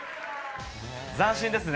斬新ですね。